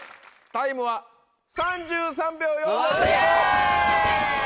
タイムは３３秒４５。